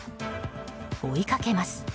追いかけます。